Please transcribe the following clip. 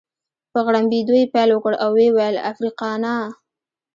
په غړمبېدو يې پیل وکړ او ويې ویل: افریقانا.